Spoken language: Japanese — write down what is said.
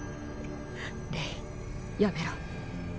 レイやめろ